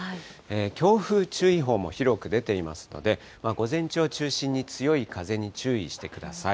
強風注意報も広く出ていますので、午前中を中心に強い風に注意してください。